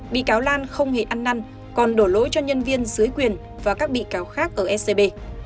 bị cáo lan không hề ăn năn còn đổ lỗi cho nhân viên dưới quyền và các bị cáo khác ở scb